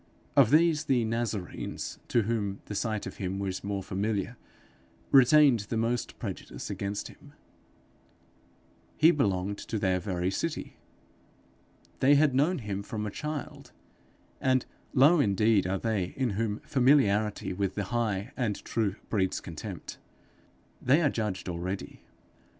Of these the Nazarenes, to whom the sight of him was more familiar, retained the most prejudice against him: he belonged to their very city! they had known him from a child! and low indeed are they in whom familiarity with the high and true breeds contempt! they are judged already.